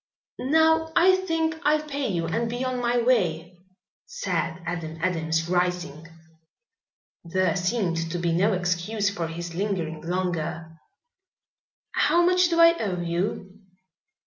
"Now I think I'll pay you and be on my way," said Adam Adams, rising. There seemed to be no excuse for his lingering longer. "How much do I owe you?"